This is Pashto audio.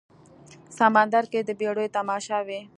سمندر کې د بیړیو تماشا وي